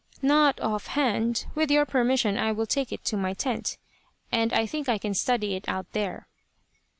"Not off hand. With your permission I will take it to my tent, and I think I can study it out there."